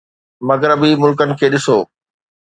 مغربي ملڪن کي ڏسو